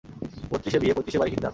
বত্রিশে বিয়ে, পয়ত্রিশে বাড়ি কিনতাম।